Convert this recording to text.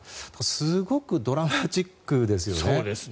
すごくドラマチックですよね。